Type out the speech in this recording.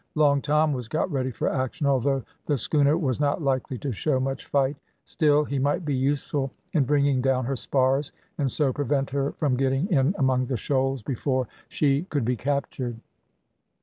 Long Tom was got ready for action, although the schooner was not likely to show much fight; still he might be useful in bringing down her spars, and so prevent her from getting in among the shoals before she could be captured.